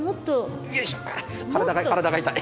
体が痛い。